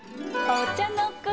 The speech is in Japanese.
お茶の子